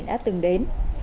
đã từng đến